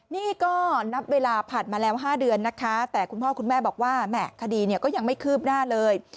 นี่ก็นับเวลาผ่านมาแล้ว๕เดือนนะคะแต่คุณพ่อคุณแม่บอกว่าแหม่คดีเนี่ยก็ยังไม่คืบหน้าเลย